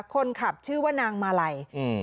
คนขับชื่อว่านางมาลัย